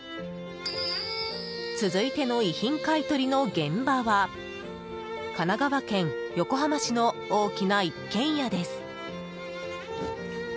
続いての遺品買い取りの現場は神奈川県横浜市の大きな一軒家です。